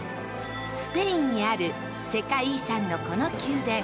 スペインにある世界遺産のこの宮殿。